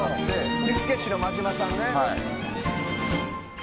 振付師の真島さんね。